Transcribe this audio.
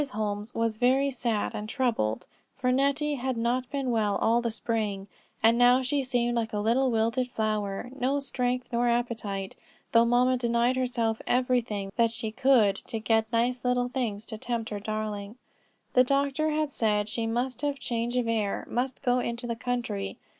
Holmes was very sad and troubled, for Nettie had not been well all the spring, and now she seemed like a little wilted flower; no strength, nor appetite, though mamma denied herself everything that she could to get nice little things to tempt her darling. The doctor had said she must have change of air, must go into the country.